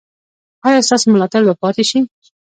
ایا ستاسو ملاتړ به پاتې شي؟